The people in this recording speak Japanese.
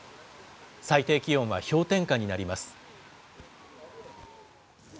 最低気温は氷点下になります。